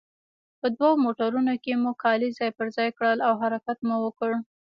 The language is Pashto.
په دوو موټرونو کې مو کالي ځای پر ځای کړل او حرکت مو وکړ.